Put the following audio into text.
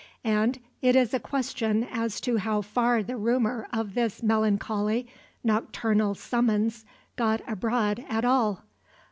And it is a question as to how far the rumor of this melancholy, nocturnal summons got abroad at all.